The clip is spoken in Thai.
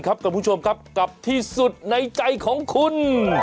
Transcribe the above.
คุณผู้ชมครับกับที่สุดในใจของคุณ